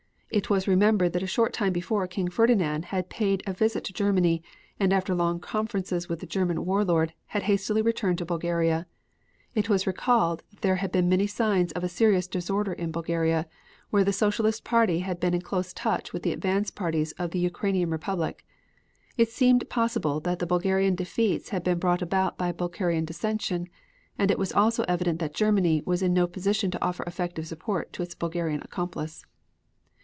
It was remembered that a short time before King Ferdinand had paid a visit to Germany, and after long conferences with the German War Lord, had hastily returned to Bulgaria. It was recalled that there had been many signs of serious disorder in Bulgaria, where the Socialist party had been in close touch with the advance parties in the Ukrainian Republic. It seemed possible that the Bulgarian defeats had been brought about by Bulgarian dissension and it was also evident that Germany was in no position to offer effective support to its Bulgarian accomplice.